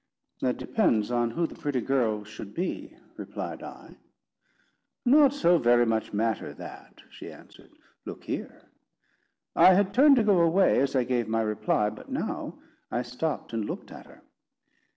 "That depends on who the pretty girl should be," replied I. "Not so very much matter that," she answered; "look here." I had turned to go away as I gave my reply, but now I stopped and looked at her.